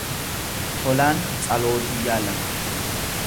Tolaan tsalootii jaalata